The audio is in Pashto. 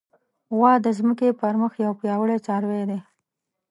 غوا د ځمکې پر مخ یو پیاوړی څاروی دی.